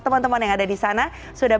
teman teman yang ada di sana sudah